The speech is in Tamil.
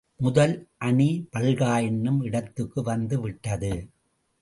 முதல் அணி பல்கா என்னும் இடத்துக்கு வந்து விட்டது.